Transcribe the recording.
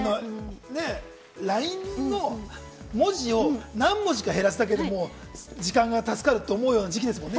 ＬＩＮＥの文字を何文字か減らすだけでも時間が助かるって思うような時期ですもんね。